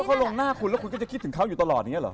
เขาลงหน้าคุณแล้วคุณก็จะคิดถึงเขาอยู่ตลอดอย่างนี้เหรอ